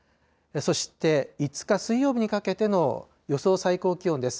そして５日水曜日にかけての予想最高気温です。